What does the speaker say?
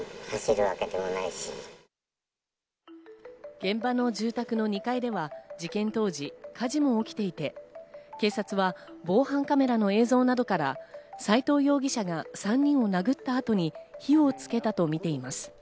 現場の住宅の２階では、事件当時、火事も起きていて、警察は防犯カメラの映像などから斎藤容疑者が３人を殴った後に火をつけたとみています。